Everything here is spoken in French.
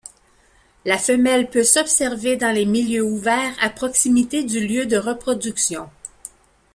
La femelle peut s'observer dans les milieux ouverts à proximité du lieu de reproduction.